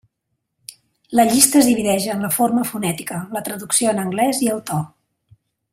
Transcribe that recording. La llista es divideix en la forma fonètica, la traducció en anglès i el to.